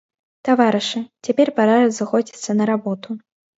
Таварышы, цяпер пара разыходзіцца на работу.